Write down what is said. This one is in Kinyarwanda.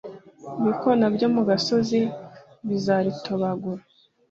ibikona byo mu gasozi bizaritobagura